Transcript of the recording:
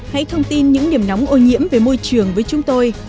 hãy thông tin những điểm nóng ô nhiễm về môi trường với chúng tôi